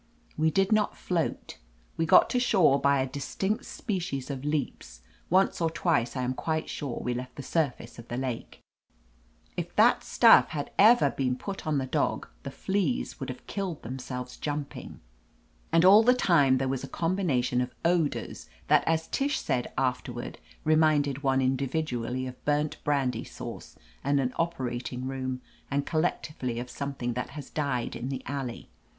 ' We did not float. We got to shore by a dis tinct species of leaps ; once or twice I am quite sure we left the surface of the lake. If that stuff had ever been put on the dog, the fleas 322 OF LETITIA CARBERRY would have killed themselves jumping. And all the time there was a combination of odors that as Tish said afterward reminded one in dividually of burnt brandy sauce and an operat ing room, and collectively of something that has died in the alley.